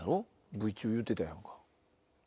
ＶＴＲ中言うてたやんか。